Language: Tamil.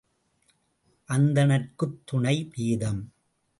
அந்தணர்க்குத் துணை வேதம்!